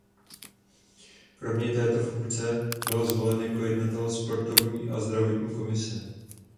Kromě této funkce byl zvolen jako jednatel sportovní a zdravotní komise.